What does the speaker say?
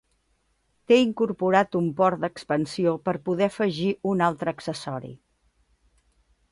Té incorporat un port d'expansió per poder afegir un altre accessori.